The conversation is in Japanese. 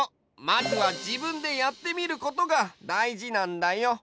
まずは「自分で」やってみることがだいじなんだよ。